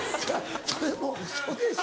それウソでしょ？